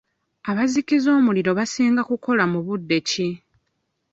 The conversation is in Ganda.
Abazikiza omuliro basinga kukola mu budde ki?